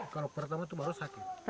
kalau pertama itu baru sakit